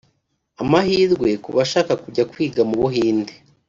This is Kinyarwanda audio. Amahirwe ku bashaka kujya kwiga mu Buhinde